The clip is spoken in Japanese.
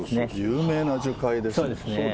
有名な樹海ですよね。